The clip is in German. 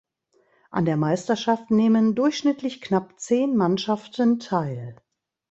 An der Meisterschaft nehmen durchschnittlich knapp zehn Mannschaften teil.